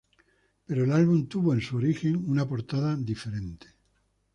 Pero el álbum tuvo, en su origen, una portada diferente.